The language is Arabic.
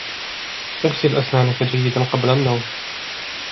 اغسل أسنانك جيدا قبل النوم.